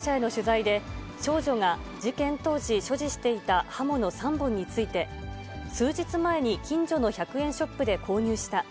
その後の捜査関係者への取材で、少女が事件当時、所持していた刃物３本について、数日前に近所の１００円ショップで購入した。